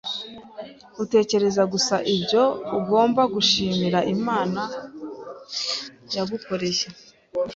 Utekereze gusa ibyo ugomba gushimira Imana yagukoreye,